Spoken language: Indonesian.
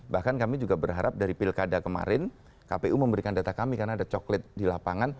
bahkan kami juga berharap dari pilkada kemarin kpu memberikan data kami karena ada coklat di lapangan